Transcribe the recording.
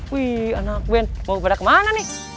wih anak ben mau pada kemana nih